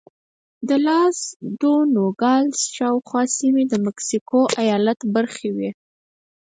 د لاس دو نوګالس شاوخوا سیمې د مکسیکو ایالت برخه وې.